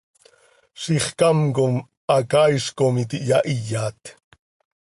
Zixcám com hacaaiz com iti hyahiyat.